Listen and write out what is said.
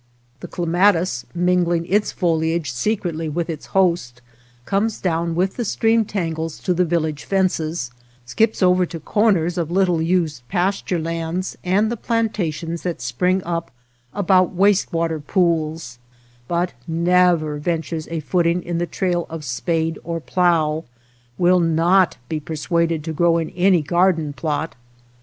The clematis, mingling its foliage secretly with its host, comes down with the stream tangles to the village fences, skips over to corners of little used pasture lands and the plantations that spring up about waste water pools ; but never ventures a footing in the trail of spade or plough ; will not be persuaded to grow in any garden plot.